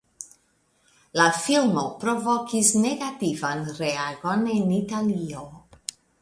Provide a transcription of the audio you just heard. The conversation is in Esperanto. La filmo provokis negativan reagon en Italio.